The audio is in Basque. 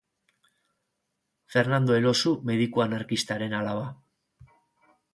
Fernando Elosu mediku anarkistaren alaba.